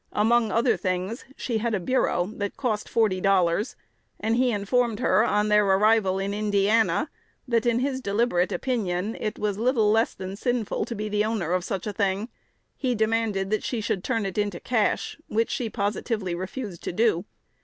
Among other things, she had a bureau that cost forty dollars; and he informed her, on their arrival in Indiana, that, in his deliberate opinion, it was little less than sinful to be the owner of such a thing. He demanded that she should turn it into cash, which she positively refused to do.